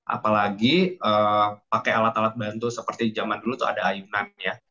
apalagi pakai alat alat bantu seperti zaman dulu tuh ada ayunan ya